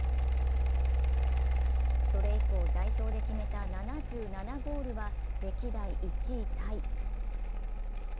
それ以降、代表で決めた７７ゴールは歴代１位タイ。